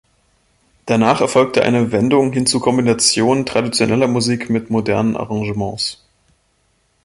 Danach erfolgte eine Wendung hin zur Kombination traditioneller Musik mit modernen Arrangements.